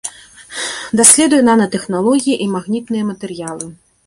Даследуе нанатэхналогіі і магнітныя матэрыялы.